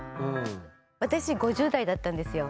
私５０代だったんですよ。